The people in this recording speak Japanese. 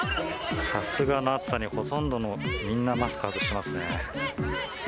さすがの暑さに、ほとんどのみんな、マスク外してますね。